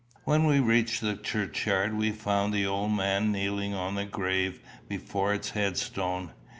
When we reached the churchyard we found the old man kneeling on a grave before its headstone.